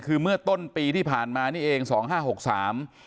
คือเมื่อต้นปีที่ผ่านมานี่เองสองห้าหกสาม